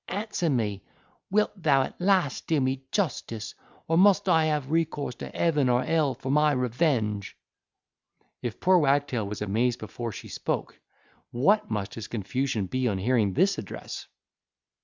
Answer me, wilt thou at last do me justice, or must I have recourse to heaven or hell for my revenge?" If poor Wagtail was amazed before she spoke, what must his confusion be on hearing this address!